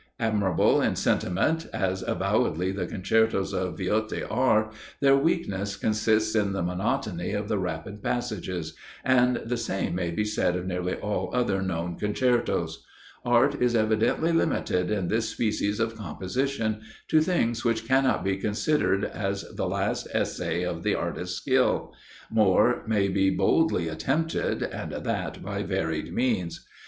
Admirable in sentiment, as avowedly the concertos of Viotti are, their weakness consists in the monotony of the rapid passages and the same may be said of nearly all other known concertos. Art is evidently limited in this species of composition, to things which cannot be considered as the last essay of the artist's skill more may be boldly attempted, and that by varied means.